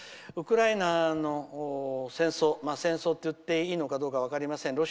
ウクライナの戦争戦争といっていいのかどうか分かりません。